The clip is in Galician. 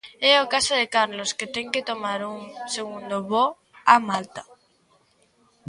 É o caso de Carlos, que ten que tomar un segundo voo a Malta.